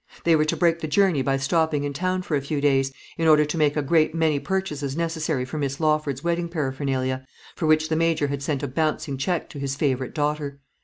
They were to break the journey by stopping in town for a few days, in order to make a great many purchases necessary for Miss Lawford's wedding paraphernalia, for which the Major had sent a bouncing cheque to his favourite daughter.